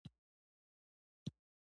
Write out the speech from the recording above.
څو نور مېږيان راغلل، خو غومبسه درنه وه.